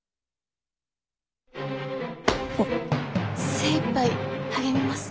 精いっぱい励みます。